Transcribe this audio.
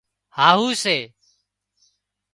هاهو سي